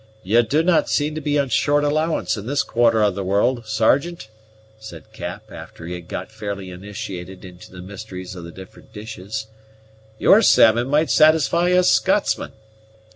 "You do not seem to be on short allowance in this quarter of the world, Sergeant," said Cap, after he had got fairly initiated into the mysteries of the different dishes; "your salmon might satisfy a Scotsman."